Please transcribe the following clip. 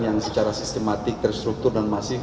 yang secara sistematik terstruktur dan masif